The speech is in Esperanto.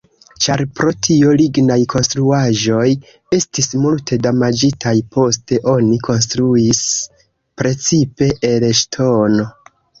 Ĉar pro tio lignaj konstruaĵoj estis multe damaĝitaj, poste oni konstruis precipe el ŝtono.